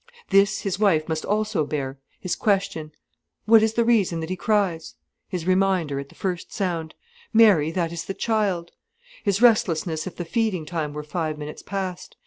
This his wife must also bear, his question: "What is the reason that he cries?"—his reminder, at the first sound: "Mary, that is the child,"—his restlessness if the feeding time were five minutes past.